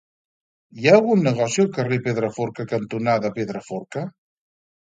Hi ha algun negoci al carrer Pedraforca cantonada Pedraforca?